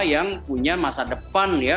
yang punya masa depan ya